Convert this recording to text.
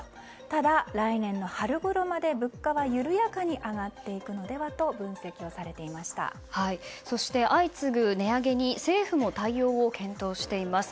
ただ、来年の春ごろまで物価は緩やかに上がっていくのではとそして相次ぐ値上げに政府も対応を検討しています。